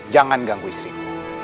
jangan ganggu istrimu